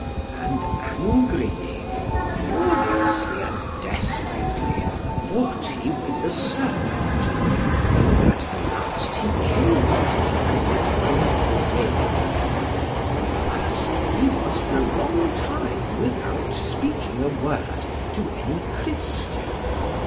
And angrily, furiously, and desperately, fought he with the serpent; and at the last he killed it, and took away the ring. And thus he was for a long time without speaking a word to any Christian.